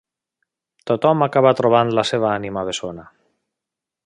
Tothom acaba trobant la seva ànima bessona